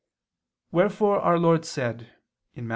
Wherefore our Lord said (Matt.